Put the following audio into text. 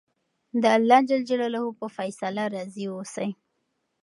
د اللهﷻ په فیصله راضي اوسئ.